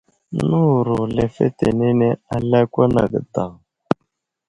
Newuro lefetenene a lakwan age daw.